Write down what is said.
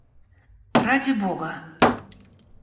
Ради Бога!..